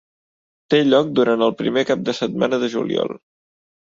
Té lloc durant el primer cap de setmana de juliol.